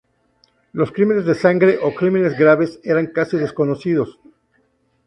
Los crímenes de sangre o crímenes graves eran casi desconocidos.